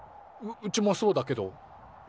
うちもそうだけど。